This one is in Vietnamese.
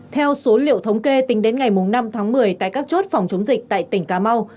theo số liệu thống kê tính đến ngày năm tháng một mươi tại các chốt phòng chống dịch tại tỉnh cà mau